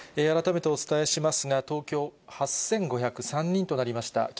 改めてお伝えしますが、東京８５０３人となりました。